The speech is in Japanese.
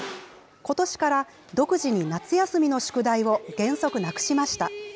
ことしから、独自に夏休みの宿題を原則なくしました。